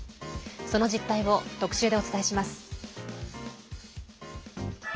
その実態を特集でお伝えします。